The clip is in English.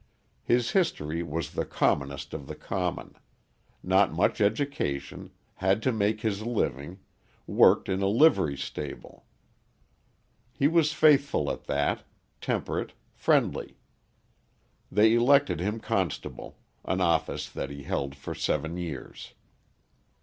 His history was the commonest of the common; not much education, had to make his living, worked in a livery stable. He was faithful at that, temperate, friendly. They elected him constable, an office that he held for seven years.